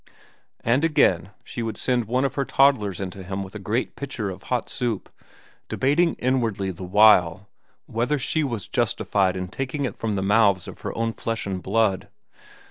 And again, she would send one of her toddlers in to him with a great pitcher of hot soup, debating inwardly the while whether she was justified in taking it from the mouths of her own flesh and blood.